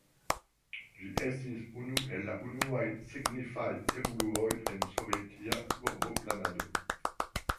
Ĝi estis unu el la unuaj signifaj evoluoj en sovetia urboplanado.